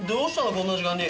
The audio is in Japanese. こんな時間に。